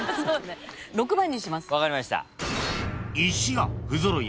６番にします。